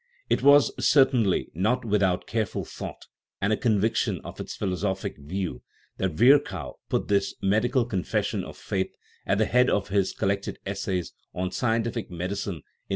It was certainly not without careful thought, and a conviction of its philo sophic value, that Virchow put this " medical confes sion of faith " at the head of his Collected Essays on Scientific Medicine in 1856.